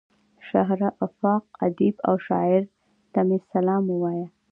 شهره آفاق ادیب او شاعر ته مې سلام ووايه.